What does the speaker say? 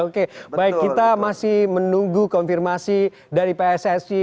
oke baik kita masih menunggu konfirmasi dari pssi